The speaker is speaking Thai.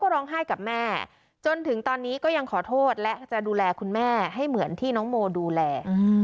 ร้องไห้กับแม่จนถึงตอนนี้ก็ยังขอโทษและจะดูแลคุณแม่ให้เหมือนที่น้องโมดูแล